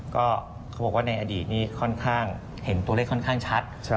ก็คือว่าว่าในอดีตนี้เห็นตัวเลขค่อนข้างชัด